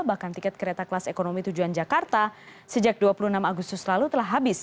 bahkan tiket kereta kelas ekonomi tujuan jakarta sejak dua puluh enam agustus lalu telah habis